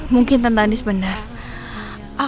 mungkin tentang ini sebenarnya